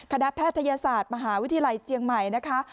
แพทยศาสตร์มหาวิทยาลัยเจียงใหม่นะคะ